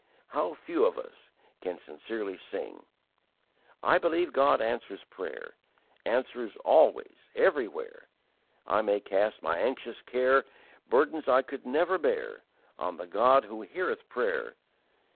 How few of us can sincerely sing: I believe God answers prayer, Answers always, everywhere; I may cast my anxious care, Burdens I could never bear, On the God who heareth prayer.